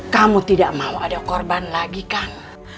kamu tidak mau ada korban lagi kan